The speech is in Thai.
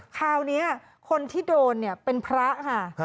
คราวนี้คนที่โดนเนี่ยเป็นพระค่ะ